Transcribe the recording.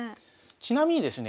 ちなみにですね